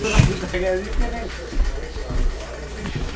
বয়ান দেওয়ার পর বাকী টাকা দিবো।